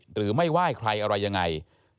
หรือไม่ไหว้ใครอะไรยังไง